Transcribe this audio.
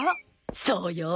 そうよ。